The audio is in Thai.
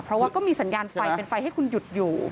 เพราะว่าก็มีสัญญาณไฟเป็นไฟให้คุณหยุดอยู่